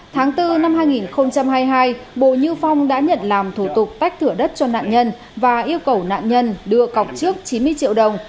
tháng bốn năm hai nghìn hai mươi hai bùi như phong đã nhận làm thủ tục tách thửa đất cho nạn nhân và yêu cầu nạn nhân đưa cọc trước chín mươi triệu đồng